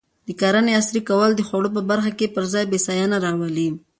د کرنې عصري کول د خوړو په برخه کې پر ځان بسیاینه راولي.